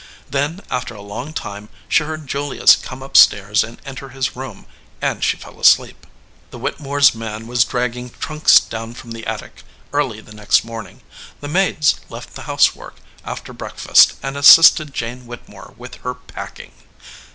Then, after a long time, she heard Julius come up stairs and enter his room, and she fell asleep. The Whittemores man was dragging trunks down from the attic early the next morning. The maids left the housework after breakfast and as sisted Jane Whittemore with her packing.